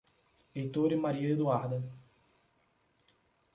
Heitor e Maria Eduarda